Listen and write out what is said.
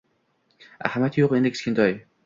Ahamiyati yo`q, dedi Kichkintoy